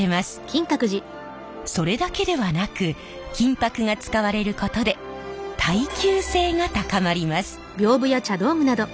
それだけではなく金箔が使われることで耐久性が高まります。